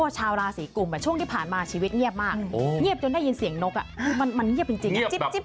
ชาวราศีกลุ่มช่วงที่ผ่านมาชีวิตเงียบมากเงียบจนได้ยินเสียงนกคือมันเงียบจริง